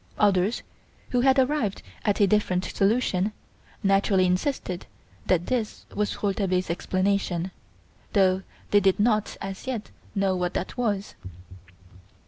Others who had arrived at a different solution, naturally insisted that this was Rouletabille's explanation, though they did not as yet know what that was.